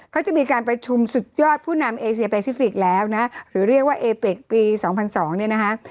เขาจะมีการประชุมสุดยอดผู้นำเอเซียแปซิฟิกส์แล้วนะหรือเรียกว่าเอเป็กปี๒๐๐๒เนี่ยนะคะ